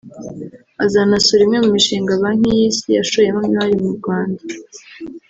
Azanasura imwe mu mishinga Banki y’Isi yashoyemo imari mu Rwanda